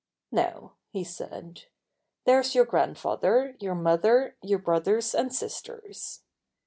"Now," he said, "there's your grandfather, your mother, your brothers and sisters."